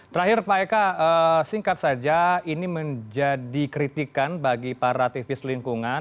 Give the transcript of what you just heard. terakhir pak eka singkat saja ini menjadi kritikan bagi para aktivis lingkungan